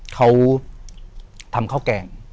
เขาทำข้าวแกง